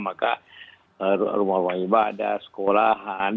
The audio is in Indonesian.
maka rumah rumah ibadah sekolahan